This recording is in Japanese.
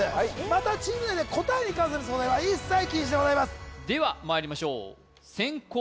またチーム内で答えに関する相談は一切禁止でございますではまいりましょう先攻